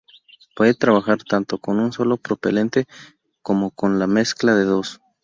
Puede trabajar tanto con un solo propelente como con la mezcla de dos.